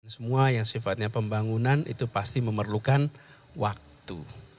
semua yang sifatnya pembangunan itu pasti memerlukan waktu